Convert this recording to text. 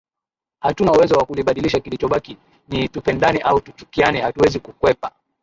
Hatuna uwezo wa kulibadilisha kilichobaki ni tupendane au tuchukiane hatuwezi kukwepa